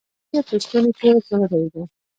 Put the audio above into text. ګولۍ يې په ستونې کې وچه ودرېده.